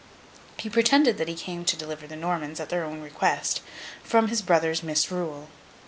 He pretended that he came to deliver the Normans, at their own request, from his brother's misrule.